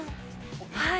はい。